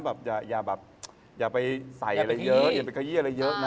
แบบอย่าแบบอย่าไปใส่อะไรเยอะอย่าไปขยี้อะไรเยอะนะ